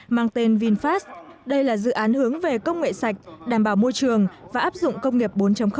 mang tên vinfast đây là dự án hướng về công nghệ sạch đảm bảo môi trường và áp dụng công nghiệp bốn